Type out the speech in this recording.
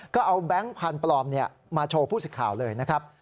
ก็เอาแบงค์พันธุ์ปลอมมาโชว์ผู้สิทธิ์ข่าวเลยนะครับ